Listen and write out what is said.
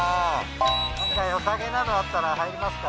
なんかよさげなのあったら入りますか。